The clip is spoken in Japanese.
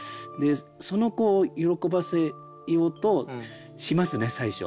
その子を喜ばせようとしますね最初。